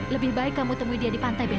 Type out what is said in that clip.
lebih baik kamu temui dia di pantai besi